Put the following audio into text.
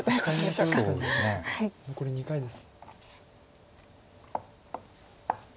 残り２回です。